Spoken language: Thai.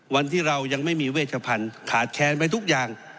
วันที่เรายังไม่มีเวชพันธุ์ขาดแค้นไปทุกอย่าง